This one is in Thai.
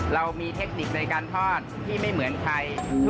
เรามีเทคนิคในการทอดที่ไม่เหมือนใคร